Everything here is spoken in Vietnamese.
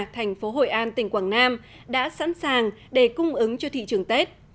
thành phố hội an tỉnh quảng nam đã sẵn sàng để cung ứng cho thị trường tết